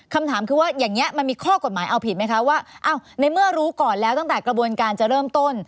คำถามคือว่าอย่างนี้มันมีข้อกฎหมายเอาผิดไหมคะว่าในเมื่อรู้ก่อนแล้วตั้งแต่กระบวนการจะเริ่มต้น